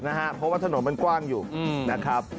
เพราะว่าถนนมันกว้างอยู่นะครับ